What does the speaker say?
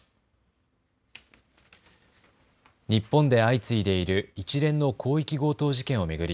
日本で相次いでいる一連の広域強盗事件を巡り